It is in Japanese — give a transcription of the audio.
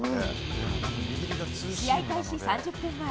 試合開始３０分前。